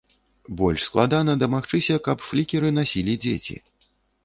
Больш складана дамагчыся, каб флікеры насілі дзеці.